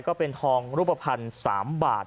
ก็เป็นทองรูปภัณฑ์๓บาท